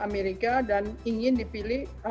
amerika dan ingin dipilih